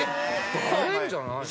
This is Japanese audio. バレるんじゃないの？